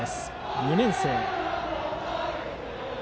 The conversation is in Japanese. ２年生。